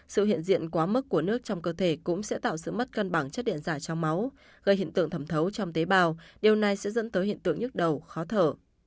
sự hiện diện quá mức của nước trong cơ thể cũng sẽ tạo sự mất cân bằng chất điện giả trong máu gây hiện tượng thẩm thấu trong tế bào điều này sẽ dẫn tới hiện tượng nhức đầu khó thở